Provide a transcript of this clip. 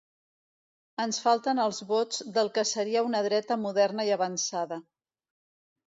Ens falten els vots del que seria una dreta moderna i avançada.